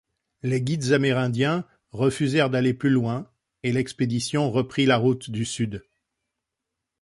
Les guides amérindiens refusèrent d'aller plus loin et l'expédition reprit la route du sud.